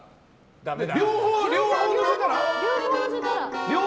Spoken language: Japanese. だめだ。